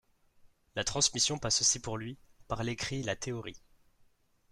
La transmission passe aussi pour lui, par l’écrit et la théorie.